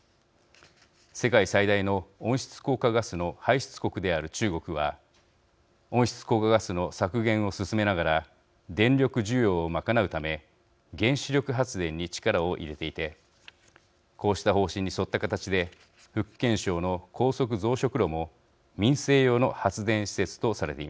世界最大の温室効果ガスの排出国である中国は温室効果ガスの削減を進めながら電力需要を賄うため原子力発電に力を入れていてこうした方針に沿った形で福建省の高速増殖炉も民生用の発電施設とされています。